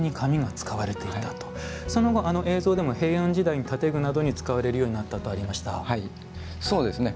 その後、あの映像でも平安時代に建具などに使われたとありました。